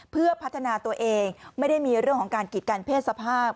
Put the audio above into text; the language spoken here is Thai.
เพื่อพัฒนาตัวเองไม่ได้มีเรื่องของการกิจกันเพศสภาพ